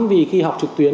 vì khi học trực tuyến